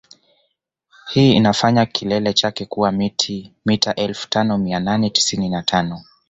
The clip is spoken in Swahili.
Hii inafanya kilele chake kuwa mita elfu tano mia nane tisini na tano